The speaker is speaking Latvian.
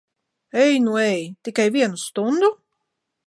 Ej nu ej! Tikai vienu stundu?